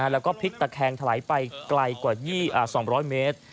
แล้วก็พลิกตะแคงถลายไปไกลกว่า๒๐๐เมตร